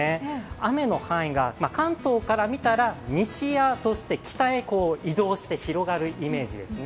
雨の範囲が、関東から見たら西や北へ移動して広がるイメージですね。